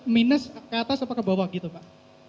minus ke atas atau ke bawah gitu pak